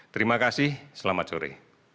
terima kasih selamat sore